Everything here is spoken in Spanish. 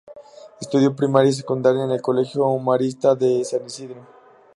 Estudió primaria y secundaria en el Colegio Maristas de San Isidro.